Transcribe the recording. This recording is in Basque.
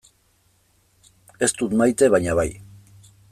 Ez dut maite baina bai.